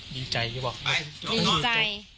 ดีใจที่บอกดีใจ